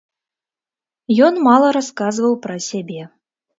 Ён мала расказваў пра сябе.